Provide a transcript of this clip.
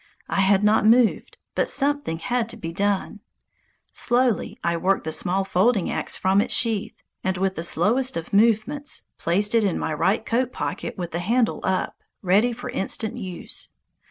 I had not moved, but something had to be done. Slowly I worked the small folding axe from its sheath, and with the slowest of movements placed it in my right coat pocket with the handle up, ready for instant use.